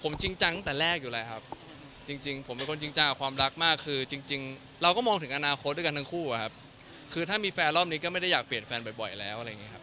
ผมจริงจังตั้งแต่แรกอยู่แล้วครับจริงผมเป็นคนจริงจังกับความรักมากคือจริงเราก็มองถึงอนาคตด้วยกันทั้งคู่อะครับคือถ้ามีแฟนรอบนี้ก็ไม่ได้อยากเปลี่ยนแฟนบ่อยแล้วอะไรอย่างนี้ครับ